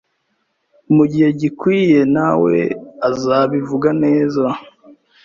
Mugihe gikwiye nawe azabivuga neza